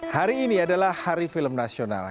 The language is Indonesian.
hari ini adalah hari film nasional